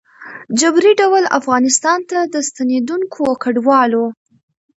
ه جبري ډول افغانستان ته د ستنېدونکو کډوالو